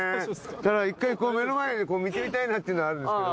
だから１回こう目の前で見てみたいなっていうのあるんですけど。